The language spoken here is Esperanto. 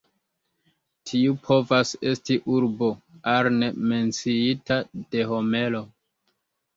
Tiu povas esti urbo "Arne", menciita de Homero.